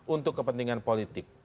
untuk kepentingan politik